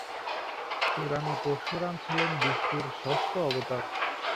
পুরাণে পরশুরাম ছিলেন বিষ্ণুর ষষ্ঠ অবতার।